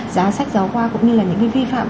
giá sách giáo khoa cũng như là những cái vi phạm